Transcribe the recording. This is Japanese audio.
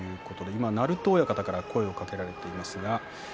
今、鳴戸親方から声をかけられています。